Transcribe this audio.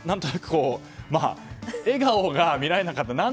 笑顔が見られなかった。